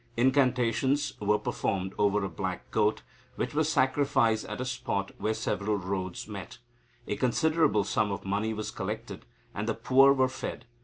Incantations were performed over a black goat, which was sacrificed at a spot where several roads met. A considerable sum of money was collected, and the poor were fed.